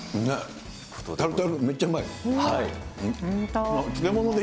タルタル、めっちゃうまい。